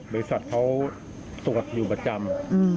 บริษัทเขาตรวจอยู่ประจำ